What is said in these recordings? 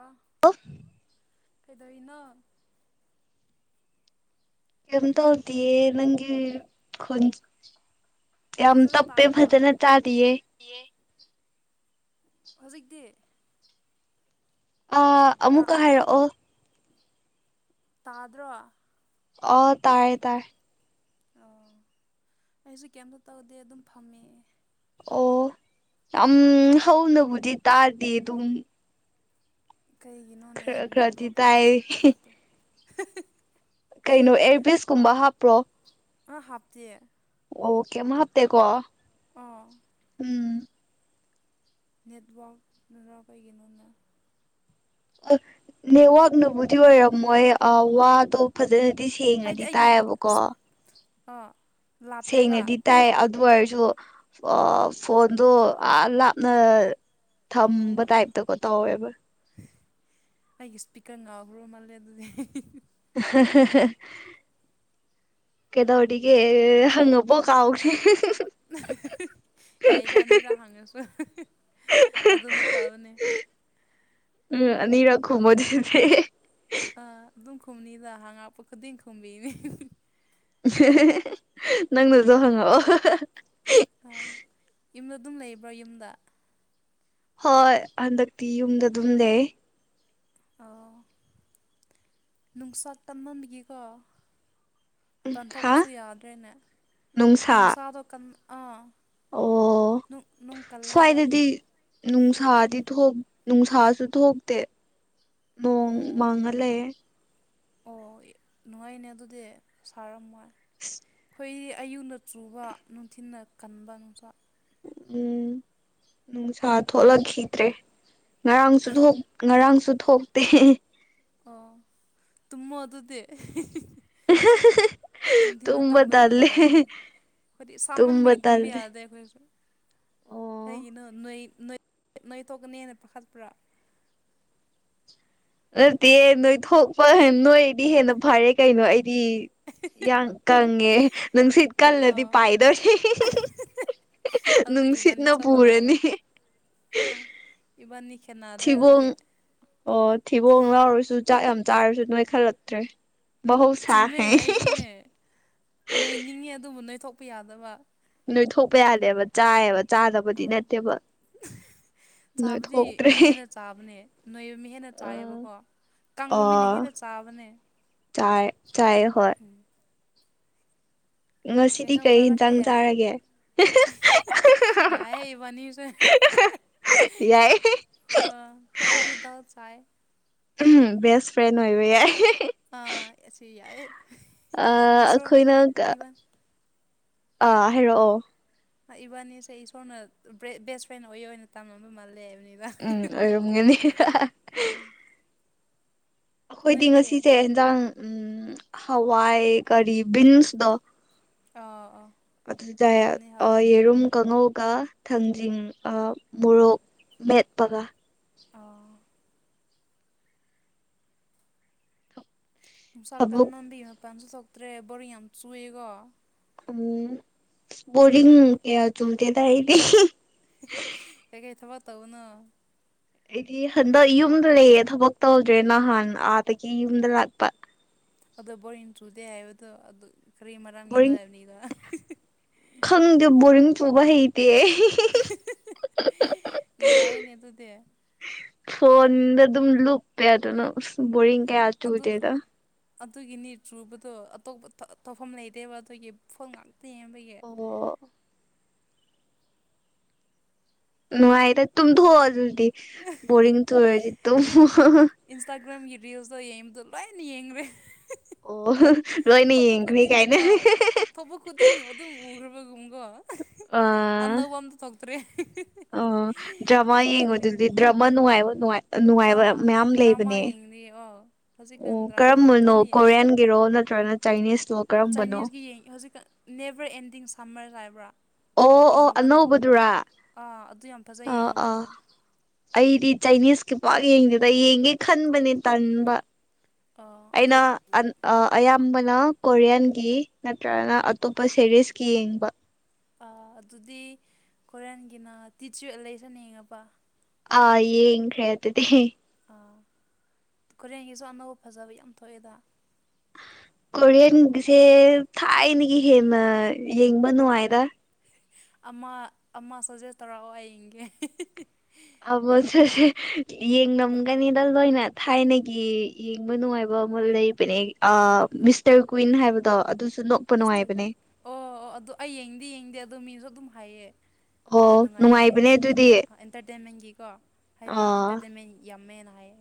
ꯑꯥ [unintelligible] ꯀꯩꯗꯧꯋꯤꯅꯣ ꯀꯦꯝ ꯇꯧꯗꯤꯌꯦ ꯅꯪꯒꯤ ꯈꯣꯟ ꯌꯥꯝ ꯇꯞꯄꯦ ꯐꯖꯅ ꯇꯥꯗꯤꯌꯦ ꯗꯤꯌꯦ ꯍꯧꯖꯤꯛꯇꯤ ꯑꯥ ꯇꯥ ꯑꯃꯨꯛꯀ ꯍꯥꯏꯔꯛꯑꯣ ꯇꯥꯗ꯭ꯔꯣ ꯑꯣ ꯇꯥꯔꯦ ꯇꯥꯏꯌꯦ ꯑꯣ ꯑꯩꯖꯨ ꯀꯩꯏꯝꯇ ꯇꯧꯗꯦ ꯑꯗꯨꯝ ꯐꯝꯃꯦ ꯑꯣ ꯌꯥꯝ ꯍꯧꯅꯕꯨꯗꯤ ꯇꯥꯗꯦ ꯗꯨꯝ ꯀꯩꯒꯤꯅꯣꯅꯦ ꯈꯔ ꯈꯔꯗꯤ ꯅꯦꯠꯋꯥꯛꯗꯤ ꯇꯥꯏ ꯌꯥꯝ ꯐꯠꯇ ꯀꯩꯅꯣ ꯑꯦꯌꯔꯄꯤꯁꯀꯨꯝꯕ ꯍꯥꯞꯄ꯭ꯔꯣ ꯑꯥ ꯍꯥꯞꯇꯤꯌꯦ ꯑꯣ ꯀꯩꯏꯝ ꯍꯥꯞꯇꯦ ꯀꯣ ꯑꯥ ꯎꯝ ꯅꯦꯠꯋꯥꯛꯅꯔ ꯀꯩꯒꯤꯅꯣꯅꯦ ꯑꯥ ꯅꯦꯠꯋꯥꯛꯅꯕꯨꯗꯤ ꯑꯣꯏꯔꯝꯃꯣꯏꯌꯦ ꯑꯥ ꯋꯥꯗꯣ ꯐꯖꯅꯗꯤ ꯍꯥꯏꯗꯤ ꯁꯦꯡꯅꯗꯤ ꯑꯩꯒꯤ ꯇꯥꯏꯌꯦꯕꯀꯣ ꯑꯥ ꯂꯥꯞꯄꯦꯕ ꯁꯦꯡꯅꯗꯤ ꯇꯥꯏ ꯑꯗꯨ ꯑꯣꯏꯔꯁꯨ ꯑꯥ ꯐꯣꯟꯗꯣ ꯑꯥ ꯂꯥꯞꯅ ꯑꯣ ꯊꯝꯕ ꯇꯥꯏꯞꯇꯀꯣ ꯇꯧꯋꯦꯕ ꯑꯩꯒꯤ ꯁ꯭ꯄꯤꯀꯔ ꯉꯥꯎꯒꯔꯣ ꯃꯜꯂꯦ ꯑꯗꯨꯗꯤ [unintelligible] ꯀꯦꯗꯧꯔꯤꯒꯦ ꯍꯪꯉꯕꯣ ꯀꯥꯎꯒ꯭ꯔꯦ ꯌꯥꯏꯗ ꯑꯅꯤꯔꯥ ꯍꯪꯉꯁꯨ ꯑꯗꯨꯅ ꯐꯕꯅꯦ ꯎꯝ ꯑꯅꯤꯔꯛ ꯈꯨꯝꯃꯗꯤ [unintelligible] ꯑ ꯑꯗꯨꯝ ꯈꯨꯝꯅꯤꯗ ꯍꯪꯉꯛꯄ ꯈꯨꯗꯤꯡ ꯈꯨꯝꯕꯤꯅꯦ ꯅꯪꯅꯖꯨ ꯍꯪꯉꯛꯑꯣ ꯑꯥ ꯌꯨꯝꯗ ꯑꯗꯨꯝ ꯂꯩꯕ꯭ꯔꯣ ꯌꯨꯝꯗ ꯍꯣꯏ ꯍꯟꯗꯛꯇꯤ ꯌꯨꯝꯗ ꯑꯗꯨꯝ ꯂꯩ ꯑꯣ ꯅꯨꯡꯁꯥ ꯇꯝꯃꯟꯕꯤꯒꯦꯀꯣ ꯃꯄꯥꯟ ꯍꯥ ꯊꯣꯛꯄꯁꯨ ꯌꯥꯗ꯭ꯔꯦꯅꯦ ꯅꯨꯡꯁꯥ ꯅꯨꯡꯁꯥꯗꯣ ꯀꯟ ꯑꯥ ꯑꯣ ꯅꯨꯡ ꯅꯨꯡ ꯀꯜꯂꯦꯕ ꯁ꯭ꯋꯥꯏꯗꯗꯤ ꯅꯨꯡꯁꯥꯗꯤ ꯊꯣꯛ ꯅꯨꯡꯁꯥꯁꯨ ꯊꯣꯛꯇꯦ ꯅꯣꯡ ꯑꯣ ꯃꯪꯉꯥ ꯂꯩꯌꯦ ꯑꯣ ꯅꯨꯡꯉꯥꯏꯅꯦ ꯑꯗꯨꯗꯤ ꯁꯥꯔꯝꯃꯣꯏ [inaudible] ꯑꯩꯈꯣꯏ ꯑꯌꯨꯛꯅ ꯆꯨꯕ ꯅꯨꯡꯊꯤꯅ ꯀꯟꯕ ꯅꯨꯡꯁꯥ ꯎꯝ ꯅꯨꯡꯁꯥ ꯊꯣꯛꯂꯛꯈꯤꯗ꯭ꯔꯦ ꯉꯔꯥꯡꯁꯨ ꯉꯔꯥꯡꯁꯨ ꯊꯣꯛꯇꯦ ꯑꯣ ꯇꯨꯝꯃꫭ ꯑꯗꯨꯗꯤ ꯅꯨꯡꯊꯤꯜꯗ ꯇꯨꯝꯕ ꯇꯨꯝꯕꯗꫭ ꯇꯜꯂꯦ ꯅꯉꯥꯏꯕꯅꯦ ꯑꯩꯈꯣꯏꯗꯤ ꯁꯥꯃꯟꯕꯒꯤ ꯇꯨꯝꯕ ꯌꯥꯗꯦ ꯑꯩꯈꯣꯏꯁꯨ ꯑꯣ ꯀꯩꯒꯤꯅꯣ ꯅꯣꯏ ꯅꯣꯏ ꯊꯣꯛꯀꯅꯤꯅ ꯄꯥꯈꯠꯄ꯭ꯔꯥ ꯅꯠꯇꯦ ꯅꯣꯏ ꯊꯣꯛꯄ ꯅꯣꯏꯗꯤ ꯍꯦꯟꯅ ꯐꯔꯦ ꯀꯩꯅꯣ ꯑꯩꯗꯤ ꯌꯥꯝ ꯀꯪꯉꯦ ꯅꯨꯡꯁꯤꯠ ꯀꯜꯂꯗꯤ ꯑꯥ ꯄꯥꯏꯗꫭꯔꯦ ꯑꯗꯨꯗꯤ ꯏꯕꯥꯅꯤ ꯅꯨꯡꯁꯤꯠꯅ ꯆꯞ ꯃꯥꯟꯅꯔꯦ ꯄꯨꯔꯅꯤ ꯑꯥ ꯏꯕꯥꯅꯤ ꯈꯦꯠꯅꯗ꯭ꯔꯦ ꯊꯤꯕꯣꯡ ꯑꯗꯨꯗꯤ ꯑꯣ ꯊꯤꯕꯣꯡ ꯂꯥꯎꯔꯁꯨ ꯆꯥꯛ ꯌꯥꯝ ꯆꯥꯔꯁꯨ ꯅꯣꯏ ꯈꯜꯂꯛꯇ꯭ꯔꯦ ꯆꯨꯝꯃꯦ ꯑꯩꯁꯨꯅꯦ ꯅꯣꯏꯅꯤꯡꯉꯦ ꯑꯗꯨꯕꯨ ꯅꯣꯏꯊꯣꯛꯄ ꯌꯥꯗꯕ ꯅꯣꯏ ꯊꯣꯛꯄ ꯌꯥꯗꯦꯕ ꯆꯥꯏꯌꯦꯕ ꯆꯥꯗꯕꯗꯤ ꯑꯥ ꯅꯠꯇꯦꯕ ꯆꯥꯕꯗꯤ ꯅꯣꯏꯊꯣꯛꯇ꯭ꯔꯦ ꯃꯤ ꯍꯦꯟꯅ ꯆꯥꯕꯅꯦ ꯅꯣꯏꯕ ꯃꯤ ꯍꯦꯟꯅ ꯑ ꯆꯥꯏꯌꯦꯕꯀꯣ ꯀꯪꯕ ꯃꯤꯅ ꯑꯣ ꯍꯦꯟꯅ ꯆꯥꯕꯅꯦ ꯆꯥꯏ ꯆꯥꯏ ꯍꯣꯏ ꯎꯝ ꯀꯩ ꯉꯁꯤꯗꯤ ꯏꯟꯁꯡ ꯌꯦꯟꯖꯥꯡ ꯆꯥꯔꯛꯀꯦ ꯆꯥꯔꯒꯦ ꯌꯥꯏꯌꯦ ꯏꯕꯥꯅꯤꯁꯨ ꯌꯥꯏ ꯑꯩꯈꯣꯏ ꯑꯂꯨꯗꯥꯜ ꯆꯥꯏ ꯕꯦꯁ ꯐ꯭ꯔꯦꯟ ꯑꯣꯏꯕ ꯌꯥꯏ ꯑꯥ ꯑꯁꯤ ꯌꯥꯏ ꯑꯩꯈꯣꯏꯅ ꯏꯕꯥꯟ ꯑꯥ ꯍꯥꯏꯔꯛꯑꯣ ꯏꯕꯥꯅꯤꯁꯦ ꯏꯁꯣꯔꯅ ꯕꯦꯁ ꯐ꯭ꯔꯦꯟ ꯑꯣꯏꯌ ꯑꯣꯏꯅ ꯇꯝꯅꯕ ꯃꯥꯜꯂꯦꯕꯅꯤ ꯎꯝ ꯑꯣꯏꯔꯝꯒꯅꯤ ꯑꯥ ꯑꯩꯈꯣꯏꯗꯤ ꯅꯣꯏꯗꯤ ꯉꯁꯤꯁꯦ ꯌꯦꯟꯖꯥꯡ ꯎꯝ ꯍꯋꯥꯏ ꯀꯔꯤ ꯕꯤꯟꯁꯇꯣ ꯑꯥ ꯑꯥ ꯑꯗꯨꯗ ꯍꯧꯅꯤ ꯍꯧꯅꯤ ꯌꯦꯔꯨꯝ ꯀꯥꯡꯉꯧꯒ ꯊꯥꯡꯖꯤꯡ ꯃꯣꯔꯣꯛ ꯃꯦꯠꯄꯒ ꯑꯥ ꯅꯨꯡꯁꯥꯥ ꯊꯕꯛ ꯀꯟꯃꯟꯕꯒꯤ ꯃꯄꯥꯟꯁꯨ ꯊꫭꯛꯇ꯭ꯔꯦ ꯕꯣꯔꯤꯡ ꯌꯥꯝ ꯆꯨꯌꯦꯀꯣ ꯎꯝ ꯕꯣꯔꯤꯡ ꯀꯌꯥ ꯆꯨꯗꯦꯗ ꯑꯩꯗꯤ ꯀꯩ ꯀꯩ ꯊꯕꯛ ꯇꯧꯕꯅꫭ ꯑꯩꯗꯤ ꯍꯟꯗꯛ ꯌꯨꯝꯗ ꯂꯩꯌꯦ ꯊꯕꯛ ꯇꯧꯗ꯭ꯔꯦ ꯅꯍꯥꯟ ꯑꯥꯗꯒꯤ ꯌꯨꯝꯗ ꯂꯥꯛꯄ ꯑꯗꯣ ꯕꯣꯔꯤꯡ ꯆꯨꯗꯦ ꯍꯥꯏꯕꯗꯣ ꯑꯗꯨ ꯀꯔꯤ ꯃꯔꯝꯒꯤꯅꯣ ꯕꯣꯔꯤꯡ ꯍꯥꯏꯕꯅꯤꯗ ꯈꯪꯗꯦ ꯕꯣꯔꯤꯡ ꯆꯨꯕ ꯍꯩ ꯇꯦ ꯅꯨꯡꯉꯥꯏꯌꯦꯅꯦ ꯑꯗꯨꯗꯤ ꯐꯣꯟꯗ ꯑꯗꯨꯝ ꯂꯨꯞꯄꯦ ꯑꯗꯨꯅ ꯑꯁ ꯕꯣꯔꯤꯡ ꯀꯌꯥ ꯑꯗꯨꯗ ꯆꯨꯗꯦꯗ ꯑꯗꯨꯒꯤ ꯅꯤ ꯆꯨꯕꯗꯣ ꯑꯇꯣꯞꯄ ꯇꯧꯐꯝ ꯂꯩꯇꯦꯕ ꯑꯗꯨꯒꯤ ꯐꯣꯟ ꯉꯥꯛꯇ ꯌꯦꯡꯕꯒꯤ ꯑꯣ ꯅꯨꯡꯉꯥꯏꯗ ꯇꯨꯝꯊꯣꯛꯑꯣ ꯑꯗꯨꯗꯤ ꯕꯣꯔꯤꯡ ꯆꯨꯔꯗꯤ ꯇꯨꯝꯃꯣ ꯔꯤꯜꯁ ꯏꯟꯁꯇꯥꯒ꯭ꯔꯥꯝꯒꯤ ꯔꯤꯜꯁꯇꯣ ꯌꯦꯡꯕꯗꯣ ꯂꯣꯏꯅ ꯌꯦꯡꯒꯔꯦ ꯑꯣ ꯂꯣꯏꯅ ꯊꯣꯛꯄ ꯌꯦꯡꯈ꯭ꯔꯦ ꯈꯨꯗꯤꯡ ꯀꯥꯏꯅ ꯑꯥ ꯊꯣꯛꯄ ꯈꯨꯗꯤꯡ ꯑꯗꯨꯝ ꯎꯒ꯭ꯔꯕꯒꯨꯝꯀꯣ ꯑ ꯑꯅꯧꯕ ꯑꯃ ꯊꯣꯛꯇ꯭ꯔꯦ ꯑꯣ ꯗ꯭ꯔꯥꯃꯥ ꯌꯦꯡꯃꯟꯕꯒꯤ ꯌꯦꯡꯕꯗꯨꯗꯤ ꯗ꯭ꯔꯥꯃꯥ ꯅꯨꯡꯉꯥꯏꯕ ꯅꯨꯡꯉꯥꯏ ꯅꯨꯡꯉꯥꯏꯕ ꯑꯥ ꯃꯌꯥꯝ ꯗ꯭ꯔꯃꯥ ꯂꯩꯕꯅꯦ ꯌꯦꯡꯂꯤ ꯍꯧꯖꯤꯛꯀꯥꯟ ꯑꯣ ꯗ꯭ꯔꯃꯥ ꯀꯔꯝꯕꯅꯣ ꯀꯟꯅ ꯌꯦꯡꯉꯤ ꯀꯣꯔꯤꯌꯥꯟ ꯒꯤꯔꯣ ꯅꯠꯇ꯭ꯔꯒꯅ ꯆꯥꯏꯅꯤꯁꯂꯣ ꯀꯔꯝꯕꯅꯣ ꯆꯥꯏꯅꯤꯁꯀꯤ ꯌꯦꯡꯉꯦ ꯍꯧꯖꯤꯛꯀꯥꯟ ꯅꯦꯕꯔ ꯑꯦꯟꯗꯤꯡ ꯁꯝꯃꯔꯁ ꯍꯥꯏꯕ꯭ꯔꯥ ꯑꯣ ꯑꯣ ꯌꯦꯡꯉꯥꯕ ꯅꯪ ꯑꯅꯧꯕꯗꯨꯔꯥ ꯑꯥ ꯑꯗꯨ ꯌꯥꯝ ꯐꯖꯩ ꯑꯥ ꯌꯦꯡꯉꯥꯕ ꯑꯥ ꯅꯪ ꯑꯩꯗꯤ ꯆꯥꯏꯅꯤꯁꯀꯤ ꯄꯥꯛ ꯌꯦꯡꯗꯦꯗ ꯌꯦꯡꯒꯦ ꯈꯟꯕꯅꯦ ꯇꯟꯕ ꯑꯥ ꯑꯗꯨ ꯑꯩꯅ ꯑꯟ ꯑꯥ ꯑꯌꯥꯝꯕꯅ ꯀꯣꯔꯤꯌꯥꯟꯒꯤ ꯅꯠꯇ꯭ꯔꯒꯅ ꯑꯇꯣꯞꯄ ꯁꯦꯔꯤꯁꯀꯤ ꯌꯦꯡꯕ ꯑꯥ ꯑꯗꯨꯗꯤ ꯀꯣꯔꯤꯌꯥꯟꯒꯤꯅ ꯇꯤꯁ ꯌꯨ ꯑꯦ ꯂꯦꯁꯟ ꯌꯦꯡꯉꯥꯕ ꯑꯥ ꯌꯦꯡꯈ꯭ꯔꯦ ꯑꯗꯨꯗꯤ ꯑꯥ ꯀꯣꯔꯤꯌꯥꯟꯒꯤꯁꯨ ꯑꯅꯧꯕ ꯐꯖꯕ ꯌꯥꯝ ꯊꯣꯛꯑꯦꯗ ꯀꯣꯔꯤꯌꯥꯟꯒꯤꯁꯦ ꯊꯥꯏꯅꯒꯤ ꯍꯦꯟꯅ ꯌꯦꯡꯕ ꯅꯨꯡꯉꯥꯏꯗ ꯑꯃ ꯑꯃ ꯁꯥꯖꯦꯁ ꯇꯧꯔꯛꯑꯣ ꯑꯩ ꯌꯦꯡꯒꯦ [unintelligible] ꯌꯦꯡꯉꯝꯒꯅꯤꯗ ꯂꯣꯏꯅ ꯊꯥꯏꯅꯒꯤ ꯌꯦꯡꯕ ꯅꯨꯡꯉꯥꯏꯕ ꯑꯃ ꯂꯩ [unintelligible] ꯑꯥ ꯃꯤꯁꯇꯔ ꯀꯨꯏꯟ ꯍꯥꯏꯕꯗꯣ ꯑꯗꯨꯁꯨ ꯅꯣꯛ ꯃꯤꯁꯇꯔ ꯀꯨꯏꯟ ꯑꯣ ꯑꯣ ꯑꯗꯣ ꯑꯩ ꯌꯦꯡꯗꯤ ꯌꯦꯡꯗꯦ ꯑꯗꯣ ꯃꯤꯅꯁꯨ ꯑꯗꯨꯝ ꯍꯥꯏꯌꯦ ꯑꯣ ꯅꯨꯡꯉꯥꯏꯌꯦ ꯅꯨꯡꯉꯥꯏꯕꯅꯦ ꯍꯥꯏꯅ ꯑꯗꯨꯗꯤ ꯑꯦꯟꯇꯔꯇꯦꯟꯃꯦꯟꯒꯤꯀꯣ ꯍꯥꯏꯗꯤ ꯑꯥ ꯑꯦꯟꯇꯔꯇꯦꯟꯃꯦꯟ ꯌꯥꯝꯃꯦꯅ ꯍꯥꯏꯌꯦ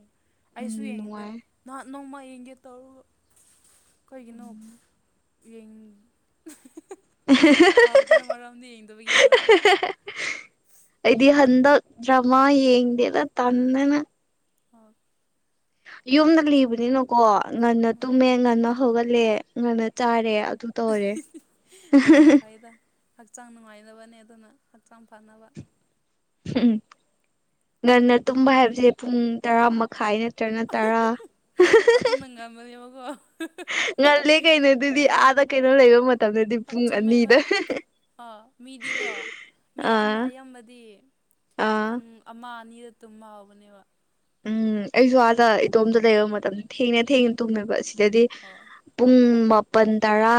ꯎꯝ ꯑꯩꯁꯨ ꯌꯦꯡꯅꯤꯡꯗꯦ ꯅꯨꯡꯉꯥꯏ ꯅꯍꯥꯟ ꯅꯣꯡꯃ ꯌꯦꯡꯒꯦ ꯇꯧꯔꯒ ꯀꯩꯒꯤꯅꯣ ꯌꯦꯡ [unintelligible] ꯀꯥꯎꯈ꯭ꯔꯦ ꯃꯔꯝꯗꯤ ꯌꯦꯡꯗꯕꯒꯤ ꯃꯔꯝ ꯑꯩꯗꯤ ꯍꯟꯗꯛ ꯗ꯭ꯔꯥꯃꯥ ꯌꯦꯡꯗꯦꯗ ꯇꯟꯗꯥꯅ ꯑꯣ ꯌꯨꯝꯗ ꯂꯩꯕꯅꯤꯅꯀꯣ ꯉꯟꯅ ꯎꯝ ꯇꯨꯝꯃꯦ ꯉꯟꯅ ꯍꯧꯒꯠꯂꯦ ꯉꯟꯅ ꯆꯥꯔꯦ ꯑꯗꯨꯝ ꯑꯗꯨꯅ ꯐꯩꯗ ꯍꯛꯆꯥꯡ ꯅꯨꯡꯉꯥꯏꯅꯕꯅꯦ ꯑꯗꯨꯅ ꯍꯛꯆꯥꯡ ꯐꯅꯕ ꯉꯟꯅ ꯇꯨꯝꯕ ꯍꯥꯏꯕꯁꯦ ꯄꯨꯡ ꯇꯔꯥ ꯃꯈꯥꯏꯅꯦ ꯅꯠꯇ꯭ꯔꯒꯅ ꯇꯔꯥ [unintelligible] ꯉꯜꯂꯦ ꯀꯩꯅꯣꯗꯨꯗꯤ ꯌꯥꯏ ꯑꯥꯗ ꯀꯩꯅꯣ ꯂꯩꯕ ꯃꯇꯝꯗꯗꯤ ꯑ ꯄꯨꯡ ꯆꯨꯝꯃꯦ ꯑꯅꯤꯗ ꯍꯣꯏ ꯑꯥ ꯃꯤꯗꯤꯀꯣ ꯃꯤ ꯑꯌꯥꯝ ꯑꯥ ꯑꯌꯥꯝꯕꯗꯤ ꯑꯥ ꯄꯨꯡ ꯑꯃ ꯑꯅꯤꯗ ꯇꯨꯝꯃꯛꯑꯥꯕꯅꯦꯕ ꯎꯝ ꯑꯩꯁꯨ ꯑꯥꯗ ꯏꯇꯣꯝꯇ ꯂꯩꯕ ꯃꯇꯝꯗ ꯊꯦꯡꯅ ꯊꯦꯡꯅ ꯇꯨꯝꯃꯦꯕ ꯁꯤꯗꯗꯤ ꯑꯥ ꯄꯨꯡ ꯃꯥꯄꯜ ꯇꯔꯥ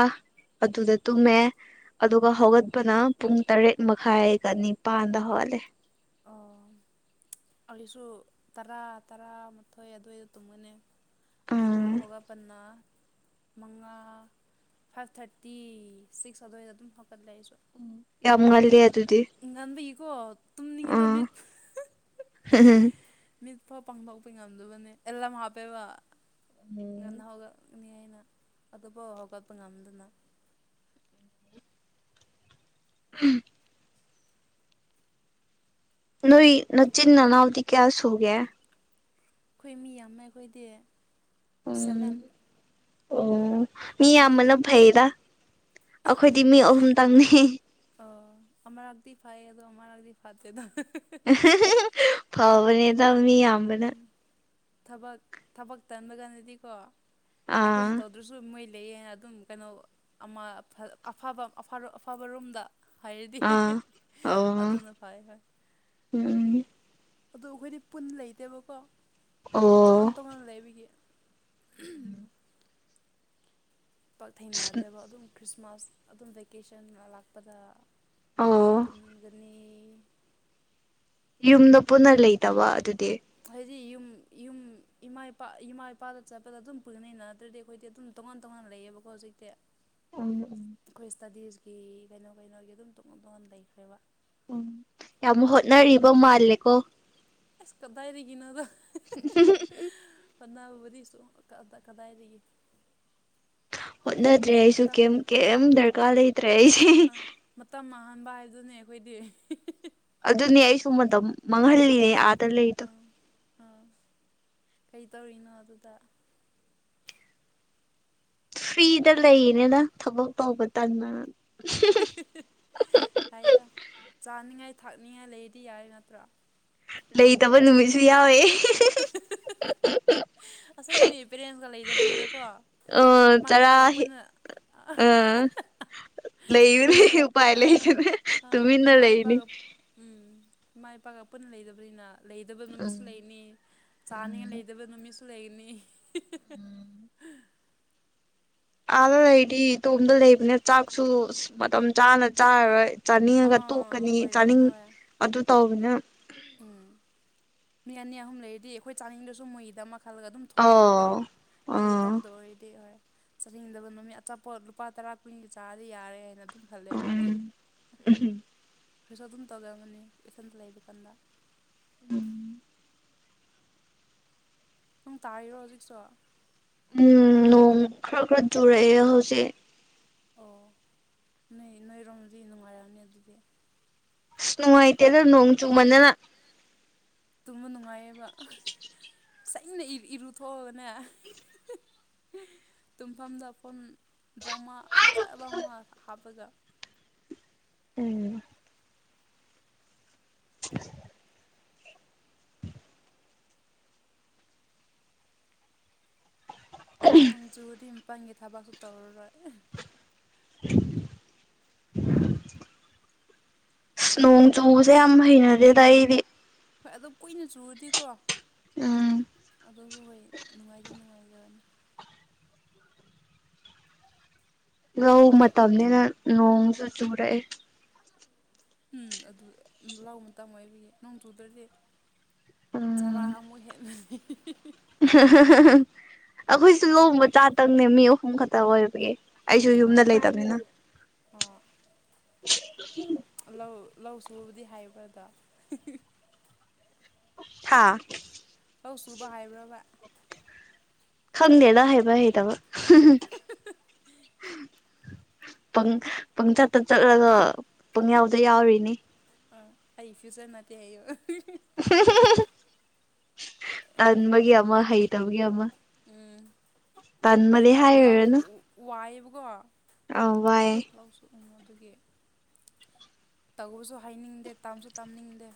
ꯑꯗꯨꯗ ꯇꯨꯝꯃꯦ ꯑꯗꯨꯒ ꯍꯧꯒꯠꯄꯅ ꯄꯨꯡ ꯇꯔꯦꯠ ꯃꯈꯥꯏꯒ ꯅꯤꯄꯥꯟꯗ ꯍꯧꯒꯠꯂꯦ ꯑꯣ ꯑꯩꯁꯨ ꯇꯔꯥ ꯇꯔꯥꯃꯥꯊꯣꯏ ꯑꯗꯨꯋꯥꯏꯗ ꯇꯨꯝꯒꯅꯤ ꯑꯗꯨꯒ ꯎꯝ ꯍꯧꯒꯠꯄꯅꯥ ꯃꯉꯥ ꯐꯥꯏꯚ ꯊꯥꯔꯇꯤ ꯁꯤꯛꯁ ꯑꯗꯨꯋꯥꯏꯗ ꯑꯗꯨꯝ ꯍꯧꯒꯠꯂꯦ ꯑꯩꯁꯨ ꯌꯥꯝ ꯉꯜꯂꯤ ꯑꯗꯨꯗꯤ ꯉꯥꯟꯕꯒꯤꯀꯣ ꯇꯨꯝꯅꯤꯡꯉꯗ ꯑꯥ ꯎꯝ ꯃꯤꯠ [unintelligible] ꯃꯤꯠꯐꯥꯎ ꯄꯥꯡꯊꯣꯛꯄ ꯉꯝꯗꯕꯅꯦ ꯑꯦꯂꯥꯝ ꯍꯥꯞꯄꯦꯕ ꯉꯥꯟꯅꯍꯧꯒꯠ ꯅꯤ ꯍꯥꯏꯅ ꯑꯗꯨꯐꯥꯎ ꯍꯧꯒꯠꯄ ꯉꯝꯗꯅ [unintelligible] ꯅꯣꯏ ꯅꯆꯤꯟꯅꯅꯥꯎꯗꯤ ꯀꯌꯥꯁꯨꯒꯦ ꯑꯩꯈꯣꯏ ꯃꯤ ꯌꯥꯝꯃꯦ ꯑꯩꯈꯣꯏꯗꯤ ꯁꯚꯦꯟ ꯎꯝ ꯑꯣ ꯃꯤ ꯌꯥꯝꯕꯅ ꯅꯣꯏꯗꯤ ꯐꯩꯗ ꯑꯩꯈꯣꯏꯗꯤ ꯃꯤ ꯑꯍꯨꯝꯇꯪꯅꯤ ꯑꯣ ꯑꯃꯔꯛꯗꯤ ꯐꯩꯌꯦ ꯑꯗꯣ ꯑꯃꯥ ꯂꯥꯛꯗꯤ ꯐꯠꯇꯦꯗ [unintelligible] ꯐꯥꯕꯅꯦꯗ ꯃꯤ ꯌꯥꯝꯕꯅ ꯎꯝ ꯊꯕꯛ ꯊꯕꯛ ꯇꯟꯕ ꯀꯥꯟꯗꯗꯤꯀꯣ ꯑꯥ ꯑꯩꯈꯣꯏꯅ ꯇꯧ ꯑꯗꯨꯁꯨ ꯃꯣꯏ ꯂꯩꯌꯦꯅ ꯑꯗꯨꯝ ꯀꯩꯅꯣ ꯑꯃ ꯑꯐꯕ ꯑꯐꯕ ꯔꯣꯝꯗ ꯍꯥꯏꯗꯤ ꯑꯥ ꯑꯣ ꯑꯗꯨꯅ ꯐꯩ ꯐꯣꯏ ꯎꯝ ꯑꯗꯨ ꯑꯩꯈꯣꯏꯗꯤ ꯄꯨꯟꯅ ꯂꯩꯇꯦꯕꯀꯣ ꯑꯣ ꯇꯉꯥꯟ ꯇꯉꯥꯟꯅ ꯂꯩꯕꯒꯤ [unintelligible] ꯄꯥꯛ ꯊꯦꯡꯅꯗꯦꯕ ꯑꯗꯨꯝ ꯈ꯭ꯔꯤꯁꯃꯥꯁ ꯑꯗꯨꯝ ꯚꯦꯀꯦꯁꯟ ꯂꯥꯛꯄꯗ ꯑꯣ ꯄꯨꯟꯒꯅꯤ ꯌꯨꯝꯗ ꯄꯨꯟꯅ ꯂꯩꯇꯕ ꯑꯗꯨꯗꯤ ꯍꯥꯏꯗꯤ ꯌꯨꯝ ꯌꯨꯝ ꯏꯃꯥ ꯏꯄꯥ ꯏꯃꯥ ꯏꯄꯥꯗ ꯆꯠꯄꯗ ꯑꯗꯨꯝ ꯄꯨꯅꯩ ꯅꯠꯇ꯭ꯔꯗꯤ ꯑꯩꯈꯣꯏꯗꯤ ꯑꯗꯨꯝ ꯇꯣꯉꯥꯟ ꯇꯣꯉꯥꯟꯅ ꯂꯩꯌꯦꯕꯀꯣ ꯍꯧꯖꯤꯛꯇꯤ ꯎꯝ ꯎꯝ ꯑꯩꯈꯣꯏ ꯏꯁꯇꯗꯤꯁꯀꯤ ꯀꯩꯅꯣ ꯀꯩꯅꯣꯒꯤ ꯑꯗꯨꯝ ꯇꯣꯉꯥꯟ ꯇꯣꯉꯥꯟ ꯂꯩꯈ꯭ꯔꯦꯕ ꯎꯝ ꯌꯥꯝ ꯍꯣꯠꯅꯔꯤꯕ ꯃꯥꯜꯂꯦꯀꯣ ꯑꯁ ꯀꯗꯥꯏꯗꯒꯤ ꯅꯣꯗ [unintelligible] ꯐꯅꯥꯕꯕꯨꯗꯤ ꯁꯨ ꯀꯗꯥꯏꯗꯒꯤ ꯍꯣꯠꯅꯗ꯭ꯔꯦ ꯑꯩꯁꯨ ꯃꯇꯝ ꯀꯩꯝ ꯀꯩꯝ ꯗꯔꯀꯥꯔ ꯂꯩꯇ꯭ꯔꯦ ꯑꯩꯁꯦ ꯑꯥ ꯃꯇꯝ ꯃꯥꯡꯍꯟꯕ ꯍꯥꯏꯗꯨꯅꯦ ꯑꯩꯈꯣꯏꯗꯤ ꯑꯗꯨꯅꯦ ꯑꯩꯁꯨ ꯃꯇꯝ ꯃꯥꯡꯍꯜꯂꯤꯅꯦ ꯑ ꯑꯥ ꯑꯥ ꯀꯩ ꯇꯧꯔꯤꯅꯣ ꯑꯗꯨꯗ ꯐ꯭ꯔꯤꯗ ꯂꯩꯌꯦꯅꯤꯅ ꯊꯕꯛ ꯇꯧꯕ ꯇꯟꯗꯅ [unintelligible] ꯌꯥꯗ ꯆꯥꯅꯤꯡꯉꯥꯏ ꯊꯥꯛꯅꯤꯡꯉꯥꯏ ꯂꯩꯔꯗꯤ ꯌꯥꯔꯦ ꯅꯠꯇ꯭ꯔ ꯂꯩꯇꯕ ꯅꯨꯃꯤꯠꯁꯨ ꯌꯥꯎꯋꯦ [unintelligible] [unintelligible] ꯑꯁꯦꯡꯒꯤꯅꯦ ꯄꯦꯔꯦꯟꯁꯀ ꯂꯩꯗꯕꯅꯤꯅꯀꯣ ꯑ ꯏꯃꯥ ꯆꯔꯥ ꯏꯄꯥꯒ ꯄꯨꯟꯅ [unintelligible] ꯂꯩ [unintelligible] ꯎꯄꯥꯏ ꯂꯩ [unintelligible] ꯑꯥ ꯇꯨꯃꯤꯟꯅ ꯏꯃꯥ ꯂꯩꯅꯤ ꯏꯄꯥꯒ ꯎꯝ ꯏꯃꯥ ꯏꯄꯥꯒ ꯄꯨꯟꯅ ꯂꯩꯗꯕꯅꯤꯅ ꯂꯩꯗꯕ ꯅꯨꯃꯤꯠꯁꯨ ꯎꯝ ꯂꯩꯅꯤ ꯆꯥꯅꯤꯡꯉ ꯎꯝ ꯂꯩꯗꯕ ꯅꯨꯃꯤꯠꯁꯨ ꯂꯩꯒꯅꯤ ꯑꯥꯗ ꯂꯩꯗꯤ ꯏꯇꯣꯝꯗ ꯂꯩꯕꯅ ꯆꯥꯛꯁꯨ ꯃꯇꯝ ꯆꯥꯅ ꯆꯥꯔꯔꯣꯏ ꯆꯥꯅꯤꯡꯉꯒ ꯑꯥ ꯇꯣꯛꯀꯅꯤ ꯆꯥꯅꯤꯡ ꯑꯣꯏꯔꯝꯅꯤ ꯍꯣꯏ ꯑꯗꯨ ꯇꯧꯕꯅꯤꯅ ꯎꯝ ꯃꯤ ꯑꯅꯤ ꯑꯍꯨꯝ ꯂꯩꯔꯗꯤ ꯑꯩꯈꯣꯏ ꯆꯥꯅꯤꯡꯗꯁꯨ ꯃꯨꯒꯤꯗꯃꯛ ꯈꯜꯂꯒ ꯑꯗꯨꯝ ꯊꯣꯡꯉꯦꯕꯀꯣ ꯑꯣ ꯑꯩꯈꯣꯏ ꯑꯥ ꯏꯇꯣꯝꯗ ꯑꯣꯏꯔꯗꯤ ꯍꯣꯏ ꯆꯥꯅꯤꯡꯗꯕ ꯅꯨꯃꯤꯠ ꯑꯆꯥꯄꯣꯠ ꯂꯨꯄꯥ ꯇꯔꯥ ꯀꯨꯟꯒꯤ ꯆꯥꯔꯗꯤ ꯌꯥꯔꯦ ꯍꯥꯏꯅ ꯑꯗꯨꯝ ꯈꯜꯂꯦꯕ ꯎꯝ ꯄꯩꯁꯣ ꯑꯗꯨꯝ ꯇꯧꯒꯑꯕꯅꯤ ꯄꯩꯁꯟꯗ ꯂꯩꯕ ꯀꯥꯟꯗ ꯎꯝ꯫ ꯅꯣꯡ ꯇꯥꯔꯤꯔꯣ ꯍꯧꯖꯤꯛꯁꯨ꯫ ꯎꯝ ꯅꯣꯡ ꯈꯔ ꯈꯔ ꯆꯨꯔꯛꯑꯦ ꯍꯧꯖꯤꯛ꯫ ꯑꯣ ꯅꯣꯏ ꯅꯣꯏꯔꯣꯝꯗꯤ ꯅꯨꯡꯉꯥꯏꯔꯝꯅꯤ ꯑꯗꯨꯗꯤ꯫ ꯏꯁ ꯅꯨꯡꯉꯥꯏꯇꯦꯗ ꯅꯣꯡ ꯆꯨꯃꯟꯗꯅ꯫ ꯇꯨꯝꯕ ꯅꯨꯡꯉꯥꯏꯌꯦꯕ꯫ ꯁꯩꯅ ꯏ-ꯏꯔꯨꯊꯣꯛꯑꯒꯅꯦ ꯇꯨꯝꯐꯝꯗ ꯐꯣꯟ ꯗ꯭ꯔꯃꯥ ꯐꯖꯕ ꯑꯃ ꯍꯥꯞꯄꯒ꯫ ꯎꯝ꯫ [inaudible] ꯅꯣꯡ ꯆꯨꯔꯗꯤ ꯃꯄꯥꯟꯒꯤ ꯊꯕꯥꯛꯁꯨ ꯇꯧꯔꯔꯣꯏ꯫ [unintelligible] ꯑꯁ ꯅꯣꯡ ꯆꯨꯕꯁꯦ ꯌꯥꯝ ꯍꯩꯅꯗꯦꯗ ꯑꯩꯗꯤ꯫ ꯍꯣꯏ ꯑꯗꯨ ꯀꯨꯏꯅ ꯆꯨꯔꯗꯤꯀꯣ ꯎꯝ꯫ ꯑꯗꯨꯁꯨ ꯍꯣꯏ ꯅꯨꯡꯉꯥꯏꯗꯤ ꯅꯨꯡꯉꯥꯏꯗꯕꯅꯦ꯫ ꯂꯧ ꯃꯇꯝꯅꯦꯅ ꯅꯣꯡꯁꯨ ꯆꯨꯔꯛꯑꯦ꯫ ꯎꯝ ꯑꯗꯨ ꯂꯧ ꯃꯇꯝ ꯑꯣꯏꯕꯒꯤ ꯅꯣꯡ ꯆꯨꯗ꯭ꯔꯗꯤ ꯎꯝ ꯆꯔꯥ ꯑꯃꯨꯛ ꯍꯦꯟ [unintelligible] ꯑꯩꯈꯣꯏꯁꯨ ꯂꯧ ꯃꯆꯥ ꯇꯪꯅꯦ ꯃꯤ ꯑꯍꯨꯝ ꯈꯛꯇ ꯑꯣꯏꯕꯒꯤ꯫ ꯑꯩꯁꯨ ꯌꯨꯝꯗ ꯑꯣ ꯂꯩꯇꯕꯅꯦꯅ꯫ ꯑꯣ ꯂꯧ ꯂꯧ ꯁꯨꯕꯗꯤ ꯍꯩꯕ꯭ꯔ ꯑꯗꯣ꯫ ꯍꯥꯥ꯫ ꯂꯧ ꯁꯨꯕ ꯍꯥꯏꯕ꯭ꯔꯕ꯫ ꯈꯪꯗꯦꯗ ꯍꯩꯕ ꯍꯩꯇꯕ꯫ ꯄꯪ ꯄꯪꯆꯠꯇ ꯆꯠꯂꯒ ꯄꯪ ꯌꯥꯎꯗ ꯌꯥꯎꯔꯤꯅꯤ꯫ ꯑꯥ ꯑꯩ ꯐ꯭ꯌꯨꯆꯔ ꯅꯠꯇꯦ ꯍꯥꯏꯌꯣ꯫ ꯇꯟꯕꯒꯤ ꯑꯃ ꯍꯩꯇꯕꯒꯤ ꯑꯃ꯫ ꯎꯝ ꯇꯟꯕꯗꯤ ꯍꯣꯏꯗ ꯂꯧ ꯋ-ꯋꯥꯏꯌꯦꯕꯀꯣ꯫ ꯑꯧ ꯋꯥꯏꯌꯦ꯫ ꯥꯂꯧꯁꯨ ꯎꯝ ꯑꯗꯒꯤ ꯇꯧꯕꯁꯨ ꯍꯥꯏꯅꯤꯡꯗꯦ ꯇꯝꯁꯨ ꯇꯝꯅꯤꯡꯗꯦ꯫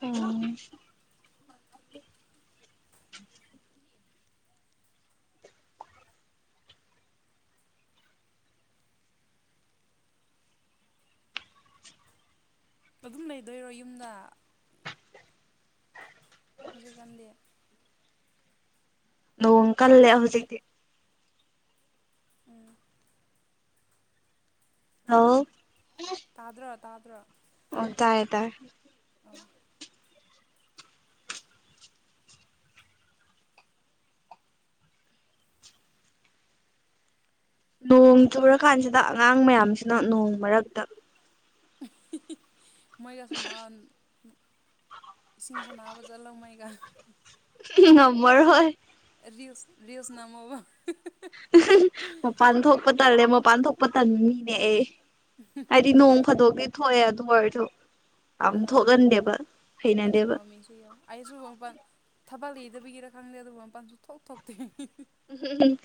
ꯎꯝ꯫ ꯑꯗꯨꯝ ꯂꯩꯗꯣꯏꯔꯣ ꯌꯨꯝꯗ꯫ ꯍꯧꯖꯤꯛꯀꯥꯟꯗꯤ꯫ ꯅꯣꯡ ꯀꯜꯂꯦ ꯍꯧꯖꯤꯛꯇꯤ꯫ ꯎꯝ꯫ [unintelligible] ꯇꯥꯗ꯭ꯔꯣ ꯇꯥꯗ꯭ꯔꯣ꯫ ꯑꯣ ꯇꯥꯏꯌꯦ ꯇꯥꯏꯌꯦ꯫ ꯑꯣ ꯅꯣꯡ ꯆꯨꯔ ꯀꯥꯟꯁꯤꯗ ꯑꯉꯥꯡ ꯃꯌꯥꯝꯁꯤꯅ ꯅꯣꯡ ꯃꯔꯛꯇ ꯃꯣꯏꯒ ꯁꯅꯥꯟ ꯏꯁꯤꯡ ꯁꯅꯥꯕ ꯆꯠꯂꯣ ꯃꯣꯏꯒ꯫ ꯉꯝꯃꯔꯣꯏ꯫ ꯔꯤꯜꯁ ꯔꯤꯜꯁ ꯅꯝꯃꯣ꯫ ꯃꯄꯥꯟ ꯊꯣꯛꯄ ꯇꯜꯂꯦ ꯃꯄꯥꯟ ꯊꯣꯛꯄ ꯇꯟꯕ ꯃꯤꯅꯦ ꯑꯩ꯫ ꯍꯥꯏꯗꯤ ꯅꯣꯡ ꯐꯥꯗꯣꯛꯗꯤ ꯊꯣꯛꯑꯦ ꯑꯗꯨ ꯑꯣꯏꯔꯁꯨ ꯌꯥꯝ ꯑꯥ ꯊꯣꯛꯍꯟꯗꯦꯕ ꯍꯩꯅꯗꯦꯕ [unintelligible] ꯑꯩꯁꯨ ꯃꯄꯥꯟ ꯊꯕꯛ ꯂꯩꯗꯕꯤꯒꯤꯔ ꯈꯪꯗꯦ ꯑꯗꯨ ꯃꯄꯥꯟ ꯁꯨꯡꯊꯣꯛ ꯊꯣꯛꯇꯦ ꯎꯝ ꯎꯝ ꯎꯝ